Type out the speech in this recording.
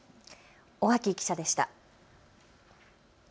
尾垣記者でした。